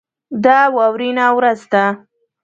دا واورینه ورځ ده.